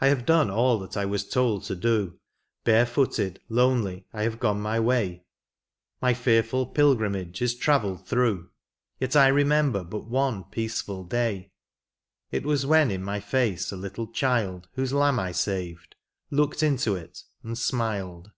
I have done all that I was told to do : Barefooted, lonely, I have gone my way. My feariiil pilgrimage is travelled through, Yet I remember but one peaceful day. It was when in my face a little child Whose lamb I saved, looked into it and smiled.